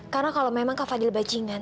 karena kalau memang mbak fadil mbak jingan